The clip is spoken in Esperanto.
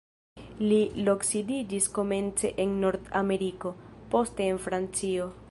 Li loksidiĝis komence en Nord-Ameriko, poste en Francio.